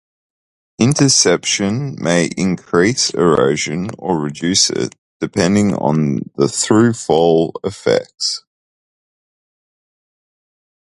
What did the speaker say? Interception may increase erosion or reduce it depending on the throughfall effects.